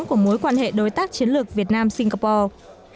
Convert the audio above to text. của mối quan hệ đối tác chiến lược việt nam singapore